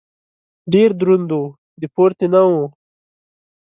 ډېر دروند و . د پورتې نه و.